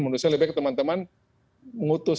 menurut saya lebih baik teman teman mengutus